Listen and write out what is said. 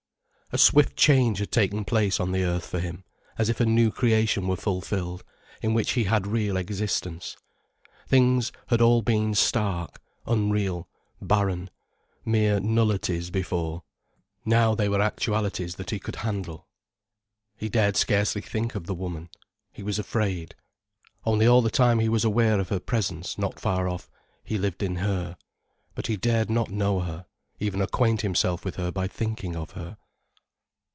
A swift change had taken place on the earth for him, as if a new creation were fulfilled, in which he had real existence. Things had all been stark, unreal, barren, mere nullities before. Now they were actualities that he could handle. He dared scarcely think of the woman. He was afraid. Only all the time he was aware of her presence not far off, he lived in her. But he dared not know her, even acquaint himself with her by thinking of her.